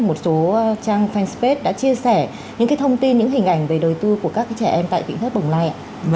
một số trang facebook đã chia sẻ những cái thông tin những hình ảnh về đời tư của các trẻ em tại vĩnh thất bồng lai